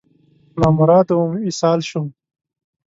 نامراده وم، وصال شوم